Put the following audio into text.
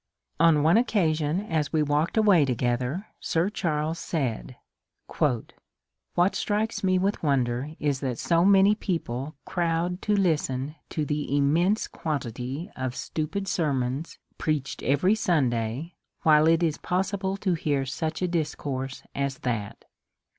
On one occasion as we walked away together Sir Charles said, ^^ what strikes me with wonder is that so many people crowd to listen to the immense quantity of stupid sermons preached every Sunday while it is possible to hear such a dis course as that."